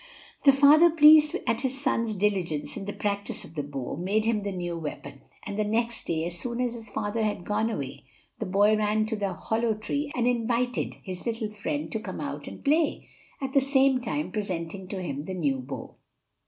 The father, pleased at his son's diligence in the practise of the bow, made him the new weapon; and the next day, as soon as his father had gone away, the boy ran to the hollow tree and invited his little friend to come out and play, at the same time presenting to him the new bow.